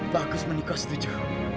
bagus menikah setuju